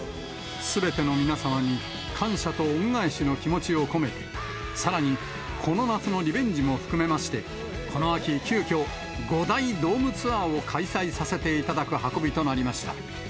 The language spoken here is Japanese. すべての皆様に感謝と恩返しの気持ちを込めて、さらに、この夏のリベンジも含めまして、この秋、急きょ、５大ドームツアーを開催させていただく運びとなりました。